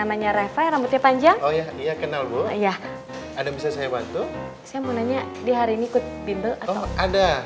aja oh ya iya kenal gue ya ada bisa saya bantu saya mau nanya di hari ini ikut bimbel atau ada